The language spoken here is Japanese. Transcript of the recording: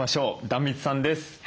壇蜜さんです。